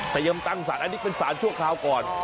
แต่ยำตั้งศาลอันนี้เป็นศาลชั่วคราวก่อน